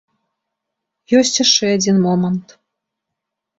Ёсць яшчэ адзін момант.